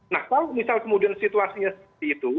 nah kalau misal kemudian situasinya seperti itu